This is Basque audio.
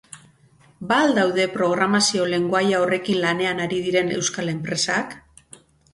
Ba al daude programazio-lengoaia horrekin lanean ari diren euskal enpresak?